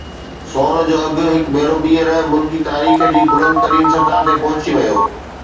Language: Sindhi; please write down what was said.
سون جو اگهه هڪ ڀيرو ٻيهر ملڪي تاريخ جي بلند ترين سطح تي پهچي ويو